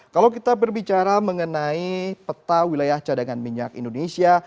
kalau kita berbicara mengenai peta wilayah cadangan minyak indonesia